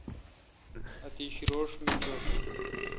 اتش روݭ می چو۔